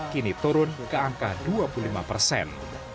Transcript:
kini turun ke angka dua puluh lima persen